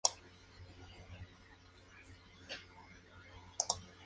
La vida en las islas incluye musgos, líquenes y pingüinos.